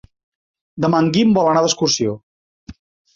Demà en Guim vol anar d'excursió.